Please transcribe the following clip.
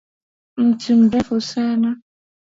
Mti mrefu sana.